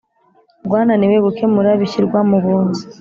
rwananiwe gukemura bishyirwa mu bunzi